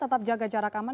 tetap jaga jarak aman